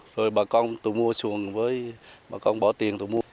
rồi bà con tù mua xuồng với bà con bỏ tiền tù mua